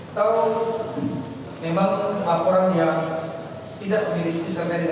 atau memang laporan yang tidak memiliki sasaran di dalamnya